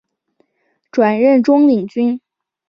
转任中领军。